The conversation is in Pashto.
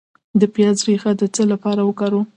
د پیاز ریښه د څه لپاره وکاروم؟